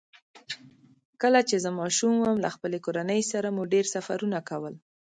کله چې زه ماشوم وم، له خپلې کورنۍ سره مو ډېر سفرونه کول.